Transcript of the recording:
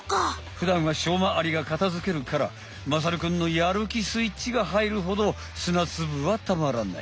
ふだんはしょうまアリが片づけるからまさるくんのやるきスイッチがはいるほど砂つぶはたまらない。